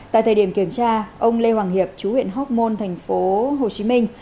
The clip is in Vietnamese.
tại thời điểm kiểm tra ông lê hoàng hiệp chú huyện hoc mon thành phố hồ chí minh